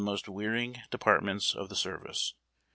most wearing departments of the service.